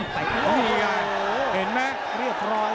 ป้ายท่านเห็นมะเรียกพร้อม